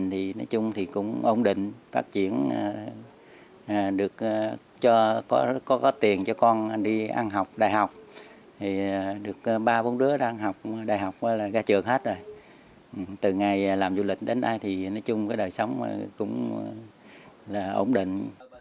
từ ngày làm du lịch đến nay thì nói chung đời sống cũng ổn định